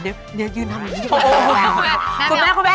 เดี๋ยวยืนทำอย่างนี้อยู่